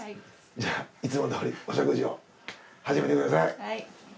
じゃあいつもどおりお食事を始めてください。